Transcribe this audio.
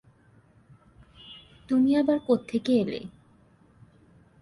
তুমি আবার কোত্থেকে এলে?